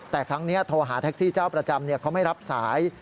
แต่ครั้งนี้โทรหาแท็กซี่เจ้าประจำเขาไม่รับสาย